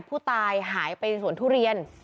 ผู้ตายหายไปสวนทุเรียน